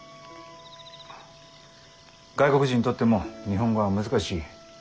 あ外国人にとっても日本語は難しい。